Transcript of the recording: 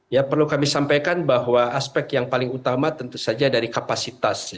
ya perlu kami sampaikan bahwa aspek yang paling utama tentu saja dari kapasitas